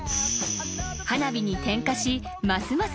［花火に点火しますます